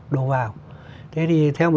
đổ vào thế thì theo